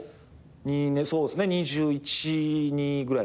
そうですね２１２２ぐらい。